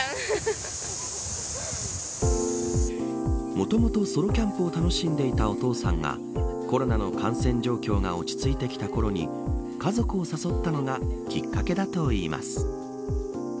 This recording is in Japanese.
もともとソロキャンプを楽しんでいたお父さんがコロナの感染状況が落ち着いてきたころに家族を誘ったのがきっかけだといいます。